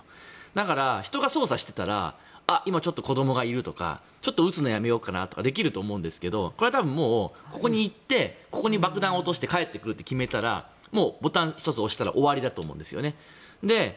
だから、人が操作してたら今、子供がいるとか撃つのやめようかなとかできると思うんですけどこれはもうここに行ってここに爆弾を落として帰ってくると決めたらボタン１つ押したら終わりだと思うんですよね。